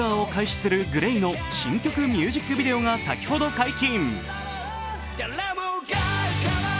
すするＧＬＡＹの新曲ミュージックビデオが先ほど解禁。